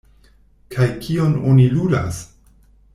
Kaj kion oni ludas?